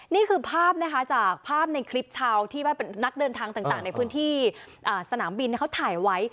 นี่คือภาพนะคะจากภาพในคลิปชาวที่ว่าเป็นนักเดินทางต่างในพื้นที่สนามบินเขาถ่ายไว้